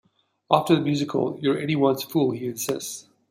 After the musical, you're anybody's fool, he insists.